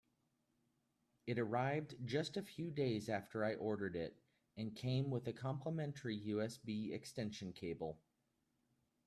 It arrived just a few days after I ordered it, and came with a complementary USB extension cable.